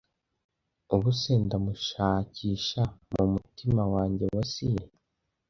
ubuse ndamushakisha mumutima wanjye wa sili